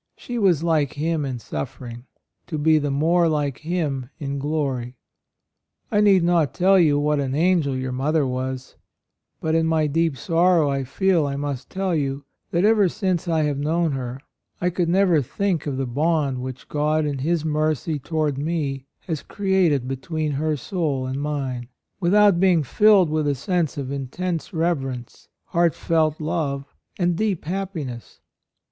She was like Him in suffering, to be the more like Him in glory. I need not tell you ... what an angel your mother was; but in my deep sorrow I feel I must tell you that ever since I have known AND MOTHER. 109 her I could never think of the bond which God, in His mercy toward me, had created between her soul and mine, without being filled with a sense of intense reverence, heartfelt love, and deep happiness.